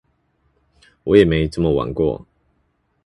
我也沒這麼玩過